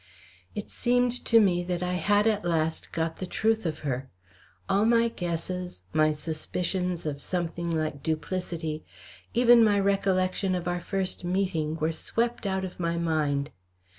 It seemed to me that I had at last got the truth of her. All my guesses, my suspicions of something like duplicity, even my recollection of our first meeting were swept out of my mind.